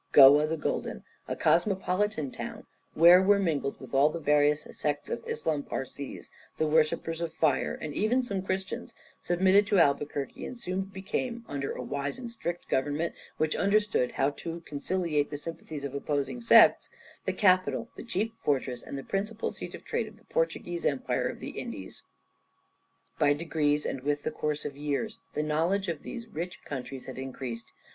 Goa the Golden, a cosmopolitan town, where were mingled with all the various sects of Islam Parsees, the worshippers of Fire, and even some Christians, submitted to Albuquerque, and soon became, under a wise and strict government which understood how to conciliate the sympathies of opposing sects, the capital, the chief fortress, and the principal seat of trade of the Portuguese empire of the Indies. By degrees and with the course of years the knowledge of these rich countries had increased.